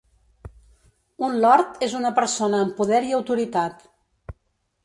Un lord és una persona amb poder i autoritat.